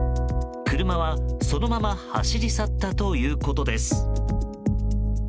車は、そのまま走り去ったということです。